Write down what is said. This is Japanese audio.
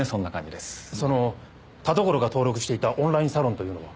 その田所が登録していたオンラインサロンというのは？